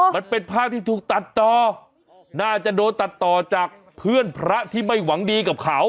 มันเป็นภาพที่ถูกตัดต่อน่าจะโดนตัดต่อจากเพื่อนพระที่ไม่หวังดีกับเขา